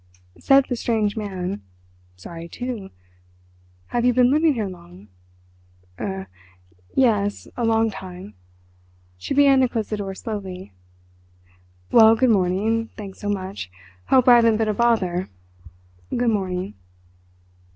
Said the strange man: "Sorry, too. Have you been living here long?" "Er—yes—a long time." She began to close the door slowly. "Well—good morning, thanks so much. Hope I haven't been a bother." "Good morning."